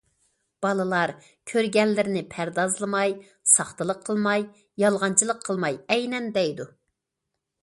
بالىلار كۆرگەنلىرىنى پەردازلىماي، ساختىلىق قىلماي، يالغانچىلىق قىلماي ئەينەن دەيدۇ.